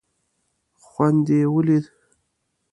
خوند دې یې ولید.